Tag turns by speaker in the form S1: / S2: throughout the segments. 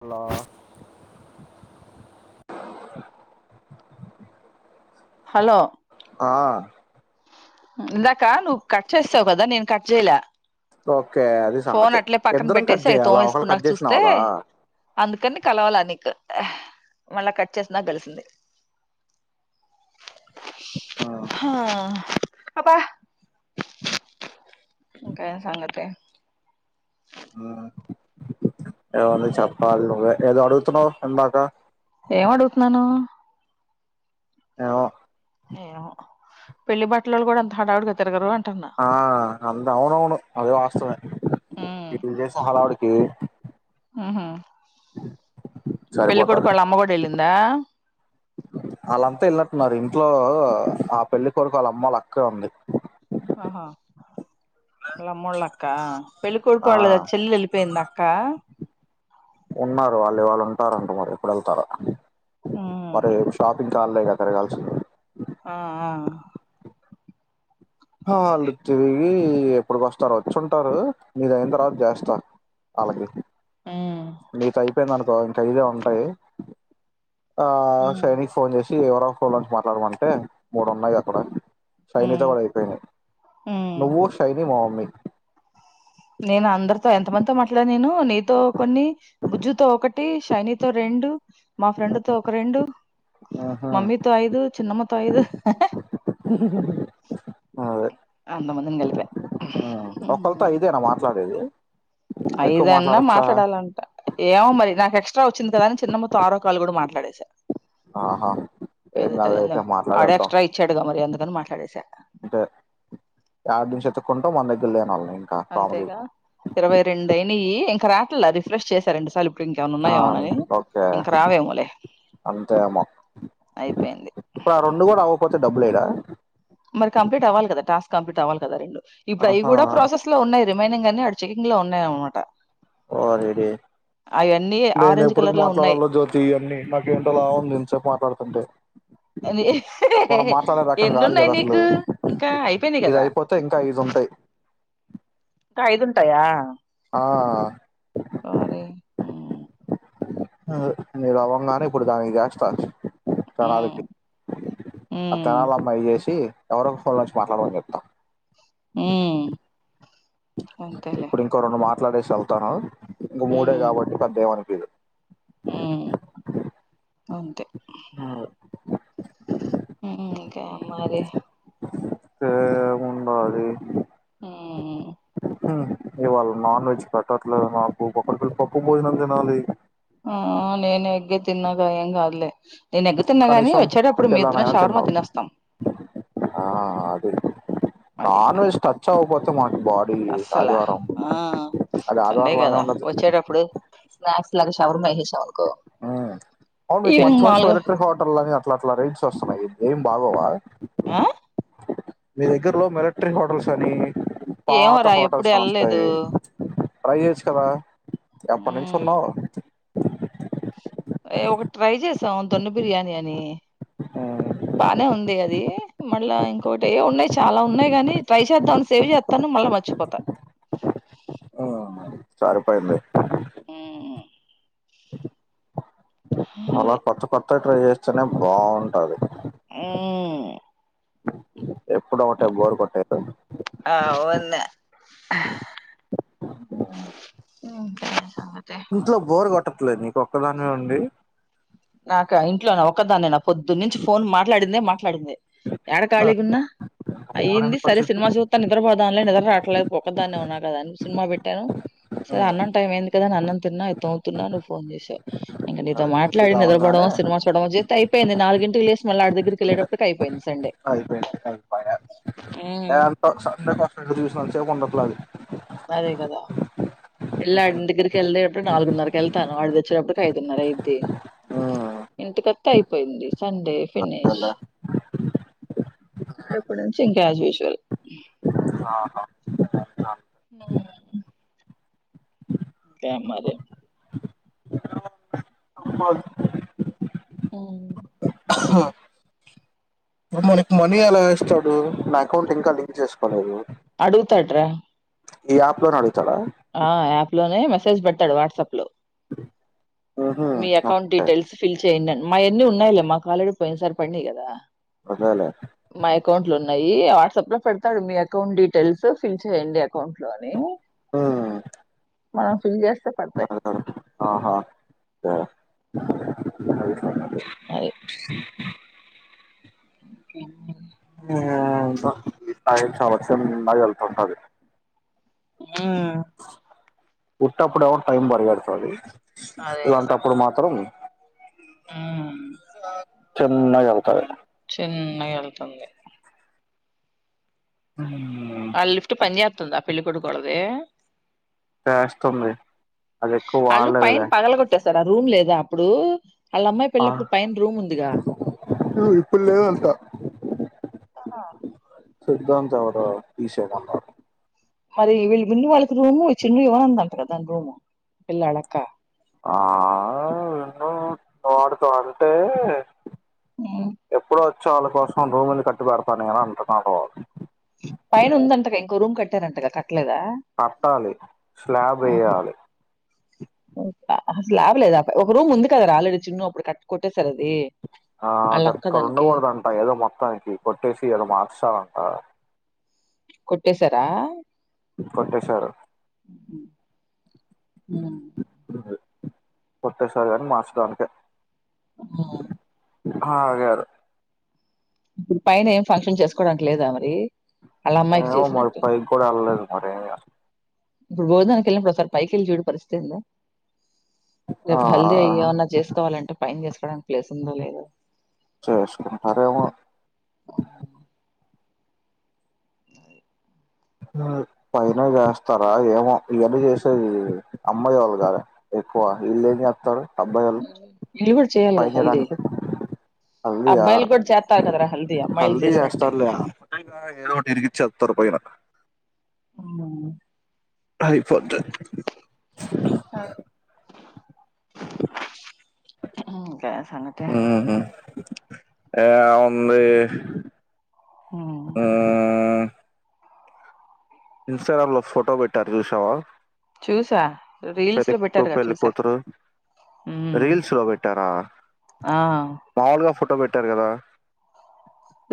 S1: Hello.
S2: Hello.
S1: ఆహ్.
S2: ఇందాకా నువ్వు కట్ చేసావు గదా నేను కట్ చేయలే.
S1: ఓకే అది
S2: ఫోన్
S1: సంగతి
S2: అట్లే పక్కన
S1: ఇద్దరం కట్
S2: పెట్టేసి అవి
S1: చేయాలా ఒకళు కట్
S2: తోమేసుకున్నాక
S1: చేసినావ్
S2: చూస్తే.
S1: కదా
S2: అందుకని కలవల నీకు. మళ్ళా కట్ చేసినాక తెలిసింది.
S1: ఆ
S2: ఆహ్. అబ్బా ఇంకేం సంగతి. ఛ్.
S1: ఏం ఉంది చెప్పాలి నువ్వే ఏదో అడుగుతున్నావు ఇందాక.
S2: ఏం అడుగుతున్నాను.
S1: ఏమో.
S2: ఏమో పెళ్ళి బట్టలోళ్ళు కూడా అంత హడావిడిగా తిరగరు అంటు.
S1: ఆహ్ అంత అవునవును అదే వాస్తవమే ఇది చేసి హాడావిడి. ఉమ్.
S2: ఉహు
S1: సరిపోతాది
S2: పెళ్ళికోడుకోళ్ళ అమ్మ గూడా వెళ్లిందా.
S1: వాళ్ళంతా వెలినట్టున్నారు ఇంట్లో ఆ పెళ్లి కొడుకు వాళ్ళా అమ్మ వాళ్ళ అక్కే ఉంది.
S2: ఆహ్. వాలామ్మోళ్ళ అక్క పెళ్ళికోడుకో
S1: ఆ
S2: వాళ్ళ చెల్లి వెళ్ళిపోయిందాక్క.
S1: ఉన్నారు వాళ్ళు వాళ్ళు ఉంటారంట మరి ఎప్పుడు వెళ్తారో
S2: ఉమ్
S1: మరి షాపింగ్. ఖాళీ గా తిరగాలిసింది.
S2: ఆహ్ ఆహ్.
S1: హల్లు తిరిగి. ఈ ఇప్పుడుకి వస్తారో వచ్చుంటారు మీదైయిన తర్వాత చేస్తా వాళ్ళకి.
S2: ఉమ్
S1: నీతో అయిపోయింది అనుకో ఇంకా ఐదే ఉంటాయి. ఆహ్
S2: ఉమ్
S1: షైనికి ఫోన్ చేసి ఎవరో ఫోన్ంచి మాట్లాడమంటే మూడు ఉన్నాయి అక్కడ. శైలుతో
S2: ఉమ్
S1: గూడా అయిపోయినయ్
S2: ఉమ్.
S1: నువ్వు శైని మా మమ్మీ.
S2: నేను అందరితో ఎంత మందితో మాట్లాడిన నేను నీతో కొన్ని గుజ్జుతో ఒకటి శైనితో రెండు. రెండు మా ఫ్రెండ్ తో ఒక రెండు.
S1: ఆహా
S2: మమ్మీతో ఐదు చిన్నమ్మతో ఐదు.
S1: ఆహ్ అదే.
S2: అంత మందిని కలిపా.
S1: ఉమ్ ఒకలితో ఐదేనా మాట్లాడేది. ఎక్కువ
S2: ఐదన్నా
S1: మాట్లాడొచ్చా
S2: మాట్లాడాలంట. ఏమో మరి నాకు ఎక్స్ట్రా వచ్చింది అని చిన్నమ్మ తో ఆరో కాలు కూడా మాట్లాడేసా.
S1: ఆహా. ఏం
S2: ఏదైతే
S1: కాదు
S2: అదై
S1: అయితే
S2: ఆడ్
S1: మాట్లాడేద్దాం
S2: ఎక్స్ట్రా ఇచ్చాడుగా మరి అందుకని మాట్లాడేసా.
S1: ఆహ్ నిమిషం వేత్తుకుంటూ మన దగ్గర లే అనాల.
S2: అంతేగా ఇరవై రెండైనాయి ఇంకా రావట్లే రిఫ్రెష్ చేసా రెండు సార్లూ ఇప్. ఇప్పుడు ఇంకేమన్న
S1: ఆ
S2: ఉన్నాయా మనవి
S1: ఓకే
S2: ఇంక రావేమోలే.
S1: అంతేమో
S2: అయిపోయింది
S1: ఇప్పుడు ఆ రెండు కూడా అవ్వకపోతే డబ్బులు ఏయ్యాడా.
S2: మరి కంప్లీట్ అవ్వలి గదా టాస్క్ కంప్లీట్ అవ్వాలి కదా ఆ రెండు ఇప్పుడు అవి
S1: ఆహా
S2: కూడా ప్రాసెస్ లో ఉన్నాయి. రిమైనింగ్ కానీ ఆడ చెనింగ్ లో ఉన్నాయి అనమాట.
S1: ఓరిని
S2: అవన్నీ
S1: నేను
S2: ఆరెంజ్
S1: ఎప్పుడుకి
S2: కలర్ లో ఉన్నాయి
S1: మాట్లాడాలో జ్యోతి అన్నీ నాకేంటోలా ఉంది ఇంతసేపు మాట్లాడుతుంటే
S2: ఎన్ని
S1: మనం మాట్లాడే రకం
S2: ఎన్ని
S1: కాదు
S2: ఉన్నాయి
S1: కదా అసలు
S2: నీకు ఇంకా అయిపోయినాయి
S1: ఇది
S2: కదా
S1: అయిపోతే ఇంకా ఐదు ఉంటయి
S2: ఇంకా ఐదుంటాయా
S1: ఆ
S2: అరే ఉమ్
S1: ఉమ్ నీది అవ్వంగానే ఇప్పుడు దానికి చేస్తా తెనాలికి
S2: ఉమ్
S1: ఆ తెనాలమ్మాయికి చేసి ఎవరోక ఫోన్ల నుంచి మాట్లాడమని చెప్తా
S2: ఉమ్ అంతేలే
S1: ఇప్పుడు ఇంకో రెండు మాట్లాడేసి ఎళ్తాను ఇంగ మూడే
S2: ఉమ్,
S1: కాబట్టి పెద్దేమనిపియదు
S2: ఓకే
S1: అవు
S2: ఉమ్ ఇంక మరి
S1: ఏం ఉందొ అది
S2: ఉమ్
S1: ఇవాళ నాన్ వెజ్ పెట్టాట్లే మాకు ఒక పప్పు భోజనం తినాలి
S2: హు నేను ఎగ్గే తిన్నగ ఏం కాదులే నేను ఎగ్ తిన్నా గాని
S1: కనీసం
S2: వచ్చేటప్పుడు మీ ఇద్దరం
S1: పిల్లనైనా
S2: షవర్మా
S1: తిన్నావు
S2: తినోస్తాం
S1: ఆ అది
S2: అది
S1: నాన్
S2: అది
S1: వెజ్ టచ్ అవ్వకపోతే మనకి బాడీ
S2: అస్సలా
S1: ఆదివారం అది
S2: సండే
S1: ఆదివారం
S2: గ
S1: లానే
S2: కదా
S1: ఉండదు
S2: వచ్చేటప్పుడు స్నాక్స్ లాగా శవర్మ చేసేవాళ్ళం
S1: అవును మీకు మంచి మంచి
S2: మాములుగా
S1: మిల్టరీ హోటల్ అని అట్లా అట్లా రేట్స్ వస్తున్నాయి ఏం బాగోవా
S2: ఆ
S1: మీ దగ్గరలో మిలిటరీ హోటల్స్ అని పాత
S2: ఏమోరా ఎప్పుడు
S1: హోటల్స్ అని
S2: వెళ్ళలేదు
S1: వస్తాయి ట్రై చేయోచ్చు కదా ఎప్పనుంచి
S2: మ్
S1: ఉన్నవు
S2: ఏ ఒకటి ట్రై చేసాం దొన్న బిర్యానీ అని బానే ఉంది అది మళ్ళా ఇంకోటి ఏ ఉన్నాయి చాలా ఉన్నాయి గాని ట్రై చేద్దామని సేవ్ చేత్తాను మళ్ళా మర్చిపోతాను
S1: ఆ సరిపోయింది
S2: మ్
S1: అలా కొత్త కొత్తగా ట్రై చేస్తేనే బాగుంటది
S2: ఉమ్
S1: ఎప్పుడు ఒకటె బోరు కొట్టేయదు
S2: ఆ వున్న ఉమ్ కా
S1: ఇంట్లో బోర్ కొట్టట్లేదు నీకు ఒక్కదానివే ఉండి
S2: నాక ఇంట్లోనే ఒకదాన్ని నే పొద్దున్న నుంచి ఫోన్ మాట్లాడిందే మా ట్లాడింది ఏడ ఖాళీగ ఉన్నా
S1: బోర్
S2: అయ్యింది
S1: ఎందుకు
S2: సరే
S1: వచ్చిద్ది
S2: సినిమా చూతా నిద్రపోదాంలె నిద్ర రా ట్లేదు ఒక్కాదాన్నే ఉన్నా కదా అ సినిమా పెట్టాను సరే అన్నం
S1: ఉమ్
S2: టైం అయింది కదాని అన్న తిన్నా ఇది తోముతున్న నువ్వు ఫోన్ చేసావు
S1: సరే
S2: నిద్రబోవడం సినిమా చూడడమొ చేతే అయిపోయింది నాలిగింటికి లేచి మళ్ళ ఆడి దగ్గరికి
S1: అంతే
S2: వెళ్ళటప్పటికి అయిపోయింది సండే.
S1: అయిపోయింది
S2: హ్మ్
S1: ఏంట సండే కోసం ఎదురుచూసినంతసేపు ఉండట్లే అది
S2: అదే కదా పిల్లాడి దగ్గరికి వెళ్లేటప్పుడు నాలుగున్నరకి వెళ్తాను ఆడిది వచ్చినప్పటికి ఐదున్నర అయిద్ది ఇంటికొత్తే అయిపోయింది సండే ఫినిష్
S1: అంతేలే
S2: రేపటినుంచి ఆస్యుజువల్
S1: ఆహా ఇంకేమి
S2: ఉ కేం మరి
S1: ఇప్పుడు మనకు మనీ ఎలా ఇస్తాడు నా అకౌంట్ ఇంకా లింక్ చేసుకోలేదు
S2: అడుగుతాడ్రా
S1: ఈ యాప్లో నాడు
S2: ఆ యాప్ లోనే మెసేజ్ పెడతాడు వాట్సాప్ లో
S1: ఉహు
S2: మీ అకౌంట్
S1: ఓకే
S2: డీటెల్స్ ఫిల్ చేయ్యడని మాయన్ని ఉన్నాయిలే మాకు ఆల్రెడీ పోయిన సారి పడినాయి కదా
S1: అదేలే
S2: మా అకౌంట్ లో ఉన్నాయి వాట్సాప్ లో పెడతాడు మీ అకౌంట్ డీ టేల్స్ ఫిల్ చెయండి అకౌంట్ లోని
S1: ఆ
S2: మనం ఫిల్ చె
S1: ఆహా సరే
S2: అదే ఒకే
S1: ఏందో ఈ టైం చాలా చిన్నగ వెళ్తుంటది
S2: ఉ
S1: ఉటప్పుడు ఏమో టైం బరిగేడుతది ఇలాంటప్పుడు మాత్రం
S2: ఊ
S1: చిన్నగేళ్తాది
S2: చిన్నగ వెళ్తుంది ఆ లిఫ్ట్ పని చెత్తుందా పెళ్ళికొడుకొల్లది
S1: చేస్తుంది అది ఎక్కువ వాడలేదులే
S2: చర రూమ్ లేదా అప్పుడు ఆళ్ళ అమ్మాయి
S1: ఆ
S2: పెళ్ళినప్పుడు పైన రూమ్ ఉందిగా
S1: ఇప్పుడు లేదంట
S2: అహ
S1: సిద్ధాంతి ఎవరో తీసేమన్నారు
S2: మరి వీళ్ళు మిన్ను వాళ్ళకి రూము చిన్ను ఇవ్వనదటగా దాని రూము పిల్ల వాల్లక్క
S1: ఆ తడుతో అంటే
S2: ఉమ్
S1: ఎప్పుడో వచ్చే వాళ్ళ కోసం రూములు కట్టి పెడతా నేను అంటున్నాడు
S2: పైన ఉందంటగా ఇంకో రూమ్ కట్టారంటగా క ట్లేదా
S1: కట్టాలి స్లాబ్
S2: ఆహా
S1: వేయాలి
S2: అసలు లాభలేద ఆ ఒక రూమ్ ఉంది కదా రా ఆల్రెడీ చిన్ను అప్పుడు కట్ కొట్టేసారా అది వాళ్ళ అక్క
S1: ఆక్కడ
S2: దానికి
S1: ఉండకూడదంట ఏదో మొత్తానికి కొట్టేసి ఏదో మార్చాలంట
S2: కొట్టేేశార
S1: కొట్టేశారు
S2: ఉ ఉ
S1: కొట్టేసాదని మార్చిన అంతే
S2: ఉ
S1: ఆగారు
S2: ఇప్పుడు పైన ఏం ఫంక్షన్ చేసుకోవడానికి లేదా మరి వాళ్ళ అమ్మాయికి
S1: ఏమో మరి
S2: చేసినట్టు
S1: పైకూడా వెళ్ళలేదు మరి
S2: ఇప్పుడు భోజనానికి వెళ్ళినప్పుడు ఒ సారి పైకి వెళ్ళి చూడు పరిస్థితి ఏందో
S1: ఆ
S2: రేపు హల్దీ అయ్యి ఏమన్నా చేసుకోవాలంటే పైన చేసుకోవడానికి ప్లేస్ ఉందో లేదో
S1: చేసుకుంటారేమో పైన చేస్తారా ఏమో ఇవన్ని చేసేది అమ్మాయి వాళ్ళు గాద ఎక్కువ ఇల్లెం చెత్తారు అబ్బాయోలు
S2: వీళ్ళు కూడా చేయ్యాలిగ హల్దీ
S1: హల్దీయా
S2: అబ్బాయిలు కూడా చేత్తరు కదా రా హల్దీ అమ్మయిలు చేసినట్టే
S1: ఎదో ఒకటి ఇరికిచేత్తరు పైన
S2: ఊ
S1: అయిపోది
S2: ఇంక
S1: ఉ హు ఏం ఉంది
S2: ఉమ్.
S1: ఊ ఇన్స్టాగ్రామ్ లో ఫోటో పెట్టారు చూసావా
S2: చూసా రీల్స్ లో పెట్టారు
S1: పెళ్ళికొడుకు
S2: గా చూసా
S1: పెళ్ళికూతురు
S2: ఉమ్
S1: రీల్స్ లో పెట్టారా
S2: ఆ
S1: మాముల్గా ట్లో పెట్టారు గదా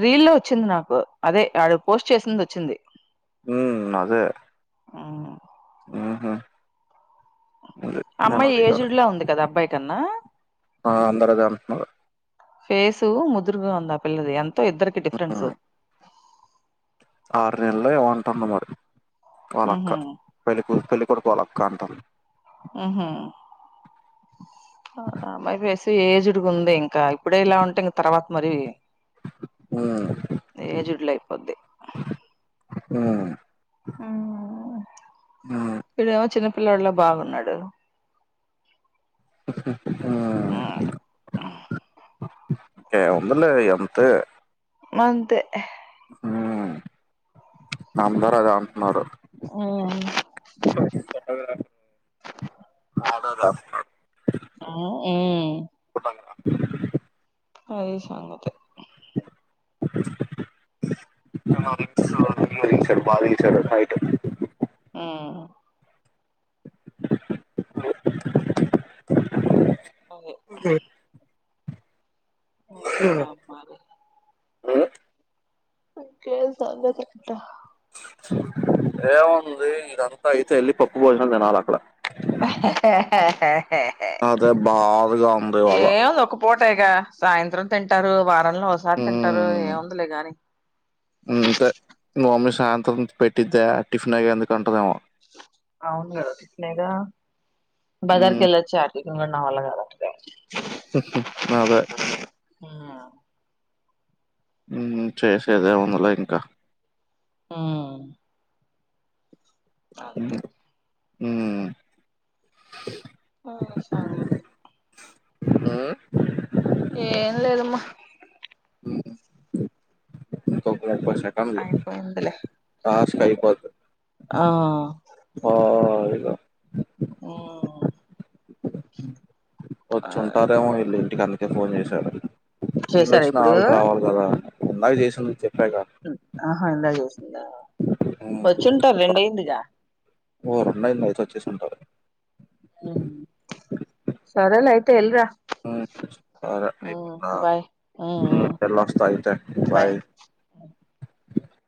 S2: రీల్ లో వచ్చింది నాకు అదే ఆడ్ పోస్ట్ చేసింది వచ్చింది
S1: ఉ అదే
S2: ఉమ్
S1: ఉహు అది నేను
S2: అమ్మాయి
S1: అది కాదు
S2: ఎజుడ్ల ఉంది కదా అబ్బాయి కన్నా
S1: అందరు అదే అంటున్నారు
S2: ఫేసు ముదురుగా ఉంది ఆ పిల్లది ఎంతో ఇద్దరికి డిఫరెన్సు
S1: ఆరు నెల్లో ఏమంటుంది మరి
S2: ఉహు
S1: వాళ్ళక్క పెలికుతు పెళ్ళి కొడుకు వాళ్ల అక్క అంటన
S2: ఉహు ఆమె ఫేసి ఏజ్డ్గా ఉంది ఇంకా ఇప్పుడే ఇలా ఉంటే ఇంకా తర్వాత మరి
S1: ఉమ్
S2: ఏజ్డ్ల అయిపోద్ది
S1: ఉమ్
S2: ఊ
S1: ఉమ్
S2: ఇడేమో చిన్నపిల్లోడ్ల బాగున్నాడు
S1: ఆహ్
S2: ఉమ్
S1: ఏముందిలే అంతే
S2: మంతే
S1: ఉ అందరూ అదే అం
S2: ఊ
S1: ఆడదాస్తారు
S2: ఉమ్ ఉ
S1: బాగా
S2: అది సంగతి
S1: ఎమో రింగ్సు రూంలో దీశాడు బాగా తీశాడు హైటు
S2: ఉ అవే ఇంకా మరి
S1: ఉ
S2: ఇంకేం సంగతు అంట
S1: ఏముంది ఇదంత అయితే పప్పు భోజనాల తినలా అక్కడ అదే బాధగా ఉంది ఇవాళ
S2: ఏముంది ఒక పూటే గా సాయంత్రం తింటారు వారంలో ఒకసారి తింటారు ఏముందిలే గాని
S1: ఇంతే మ మమ్మీ సాయంత్రం పెట్టిద్దా టిఫిన్ అగే ఎందుకు అంటదేమో
S2: అవును టిఫినే గా బజార్
S1: ఉమ్
S2: కేలోచ్చర్లే ఇంక నావల్ల కావట్లేదు
S1: అదే
S2: ఉమ్
S1: ఉమ్ చేసేదేముందిలే ఇంకా
S2: ఉ అంతే
S1: ఊ
S2: ఆ సంగతి
S1: ఉమ్,
S2: ఎం లేదమ్మ
S1: ఇంకొముప్పై సెకండ్లు
S2: అయిపోయిందిలే
S1: టాస్క్
S2: ఇంకా
S1: అయ్యిపోది
S2: ఆ
S1: హాయిగా
S2: ఉమ్ ఆ
S1: వచ్చుంటారేమో ఈళ్ళు ఇంటికి అందుకే ఫోన్ చేశారు వీళ్ళు
S2: చేసారా
S1: వొచ్చిన
S2: ఇప్పుడు
S1: ఆల్ రావాలి కదా ఇందాక చేసింది చెప్పాక
S2: హా ఇందాక జేసిందా
S1: ఉమ్,
S2: వచ్చుంటాది రెండైందిగా
S1: ఒరేనా ఇళ్లు నడిచి వచ్చేసుంటారు
S2: హుమ్ సరేలే అయితే ఎల్రా
S1: [unintelligible] అరే అయ్
S2: ఉమ్ బాయ్ ఉమ్ ఉమ్
S1: [unintelligible] వస్తాయ్ [unintelligible] అయితే బాయ్